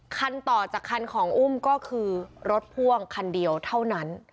ต่อจากคันของอุ้มก็คือรถพ่วงคันเดียวเท่านั้น